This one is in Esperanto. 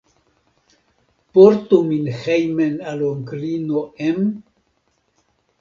Portu min hejmen al Onklino Em?